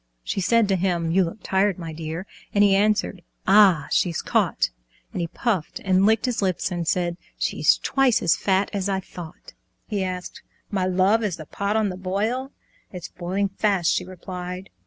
She said to him, "You look tired, my dear," And he answered, "Ah, she's caught!" And he puffed and licked his lips and said "She's twice as fat as I thought!" He asked, "My love, is the pot on the boil?" "It's boiling fast," she replied.